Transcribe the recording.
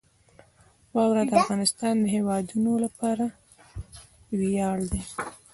واوره د افغانستان د هیوادوالو لپاره ویاړ دی.